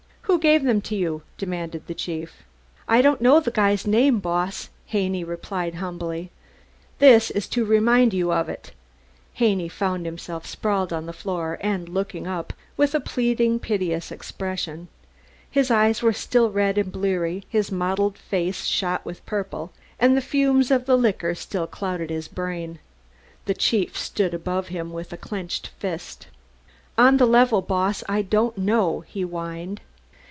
"Who gave them to you?" demanded the chief. "I don't know the guy's name, Boss," Haney replied humbly. "This is to remind you of it." Haney found himself sprawling on the floor, and looked up, with a pleading, piteous expression. His eyes were still red and bleary, his motley face shot with purple, and the fumes of the liquor still clouded his brain. The chief stood above him with clenched fist. "On the level, Boss, I don't know," he whined.